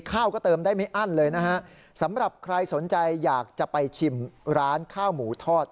ข้าวก็เติมได้ไม่อั้นเลยนะฮะสำหรับใครสนใจอยากจะไปชิมร้านข้าวหมูทอด